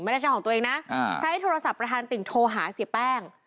ไม่ใช่ของตัวเองนะใช้โทรศัพท์ประธานติ่งโทรหาเสียแป้ง